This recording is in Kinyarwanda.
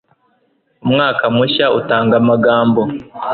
umwaka mushya utanga amagambo